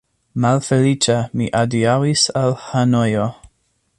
Malfeliĉa mi adiaŭis al Hanojo.